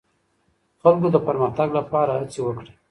خلګو د پرمختګ لپاره هڅې وکړې.